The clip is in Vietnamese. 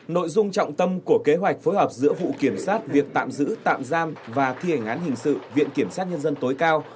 nội dung trọng tâm của kế hoạch phối hợp giữa vụ kiểm soát việc tạm giữ tạm giam và thi hành án hình sự viện kiểm sát nhân dân tối cao